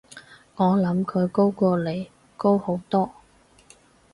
我諗佢高過你，高好多